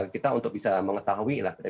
kita untuk bisa mengetahui lah